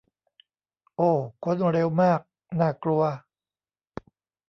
โอ้ ค้นเร็วมาก น่ากลัว